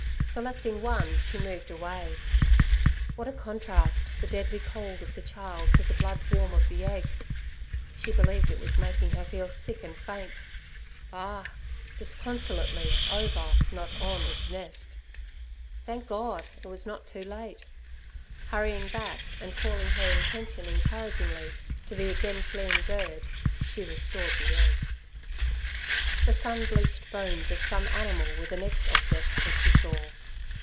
Selecting one, she moved away. What a contrast, the deadly cold of the child to the blood warmth of the egg! she believed it was making her feel sick and faint. Ah! and the robbed bird was standing disconsolately over, not on, its nest. Thank God! it was not too late. Hurrying back, and calling her intention encouragingly to the again fleeing bird, she restored the egg. The sun bleached bones of some animal were the next objects that she saw.